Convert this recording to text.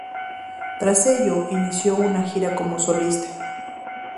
Tras ello, inició una gira como solista.